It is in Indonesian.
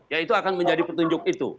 ya itu akan menjadi petunjuk itu